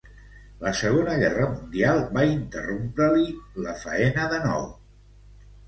La Segona Guerra Mundial va interrompre-li la faena de nou.